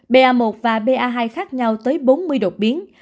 ba một và ba hai khác nhau tới bốn mươi đột biến